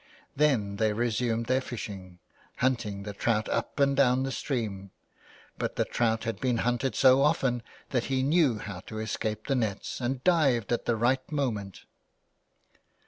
Then they resumed their fishing, hunting the trout up and down the stream But the trout had been hunted so often that he knew how to escape the nets, and dived at the right moment.